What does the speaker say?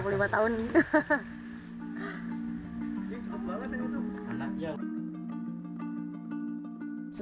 setelah penyu yang dilindungi